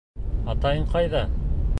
Атайың ҡайҙа?